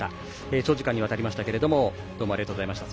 長時間にわたりましたけどもどうもありがとうございました。